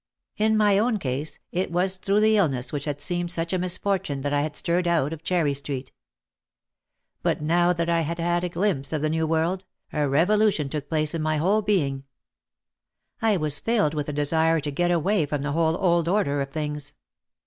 In my own case it was through the illness which had seemed such a misfortune that I had stirred out of Cherry Street. But now that I had had a glimpse of the New World, a revolution took place in my whole being. I was filled with a desire to get away from the whole old order of things.